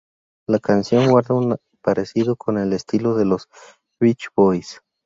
La canción guarda un parecido con el estilo de los Beach Boys.